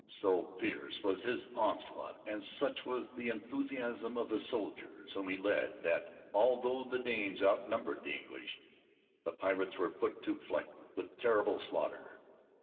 So fierce was his onslaught and such was the enthusiasm of the soldiers whom he led that, although the Danes outnumbered the English, the pirates were put to flight with terrible slaughter.